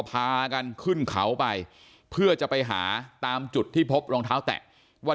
พากันขึ้นเขาไปเพื่อจะไปหาตามจุดที่พบรองเท้าแตะว่า